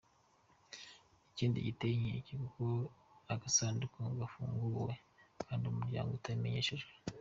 Ikindi giteye inkeke, kuki agasanduku kafunguwe kandi umuryango utabimenyeshejwe?”